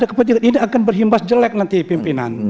kepentingan ini akan berhimbas jelek nanti pimpinan